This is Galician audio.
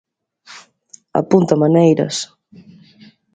Apunta maneiras.